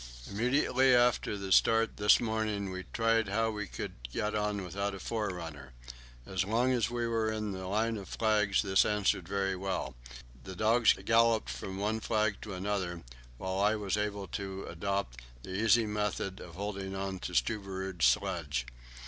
Immediately after the start this morning we tried how we could get on without a forerunner. As long as we were in the line of flags this answered very well; the dogs galloped from one flag to another, while I was able to adopt the easy method of hanging on to Stubberud's sledge.